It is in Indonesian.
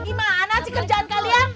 gimana sih kerjaan kalian